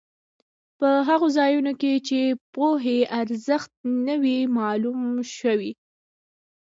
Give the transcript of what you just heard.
په هغو ځایونو کې چې پوهې ارزښت نه وي معلوم شوی.